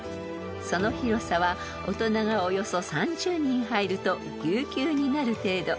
［その広さは大人がおよそ３０人入るとぎゅうぎゅうになる程度］